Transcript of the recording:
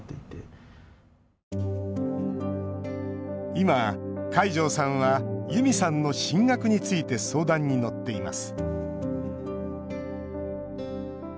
今、海上さんはユミさんの進学について相談に乗っています